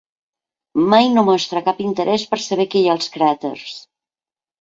Mal no mostra cap interès per saber què hi ha als cràters.